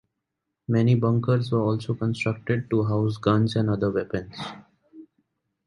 Many bunkers were also constructed to house guns and other weapons.